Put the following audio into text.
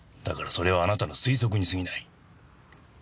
だからそれはあなたの推測にすぎない。